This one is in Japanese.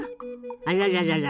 あらららら。